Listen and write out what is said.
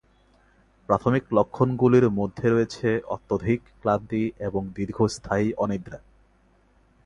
প্রাথমিক লক্ষণগুলির মধ্যে রয়েছে অত্যধিক ক্লান্তি এবং দীর্ঘস্থায়ী অনিদ্রা।